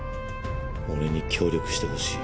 俺に協力してほしい。